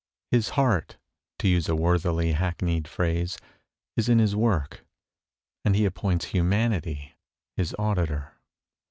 His heart, to use a worthily hack neyed phrase, is in his work, and he ap points humanity his auditor.